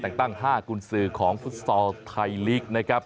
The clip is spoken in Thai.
แต่งตั้ง๕กุญสือของฟุตซอลไทยลีกนะครับ